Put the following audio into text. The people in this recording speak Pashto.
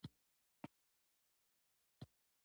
باد د کبان د ښکار مرسته کوي